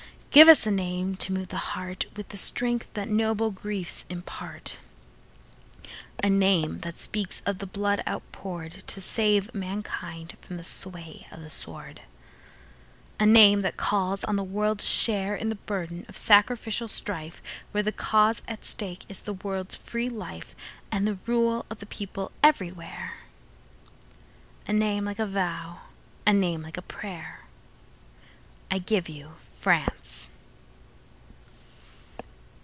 Give us a name to move the heartWith the strength that noble griefs impart,A name that speaks of the blood outpouredTo save mankind from the sway of the sword,—A name that calls on the world to shareIn the burden of sacrificial strifeWhere the cause at stake is the world's free lifeAnd the rule of the people everywhere,—A name like a vow, a name like a prayer.I give you France!